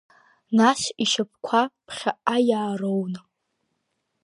Нас ишьапқәа ԥхьаҟа иаароуны.